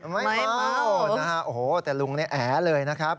ไม่เมาแต่ลุงแอเลยนะครับ